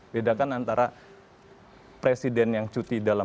beda kan antara presiden yang cuti dalam